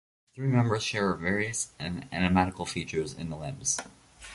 The three members share various anatomical features in the limbs.